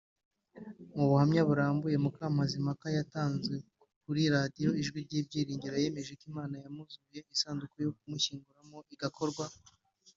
Mu buhamya burambuye Mukamazimpaka yatanze kuri radio Ijwi ry’Ibyiringiro yemeje ko Imana yamuzuye isanduku yo kumushyingura igakorwa